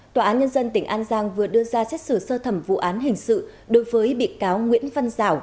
tòa án nhân dân tỉnh an giang vừa đưa ra xét xử sơ thẩm vụ án hình sự đối với bị cáo nguyễn văn giảo